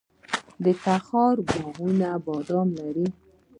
د تخار باغونه بادام لري.